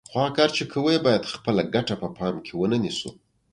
خو هغه کار چې کوو یې باید خپله ګټه په پام کې ونه نیسو.